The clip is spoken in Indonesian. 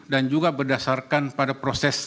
dan juga berdasarkan pada proses pemilu